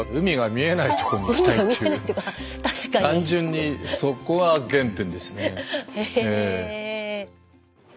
単純にそこは原点ですね。へ。